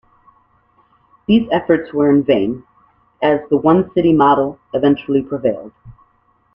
These efforts were in vain, as the one-city model eventually prevailed.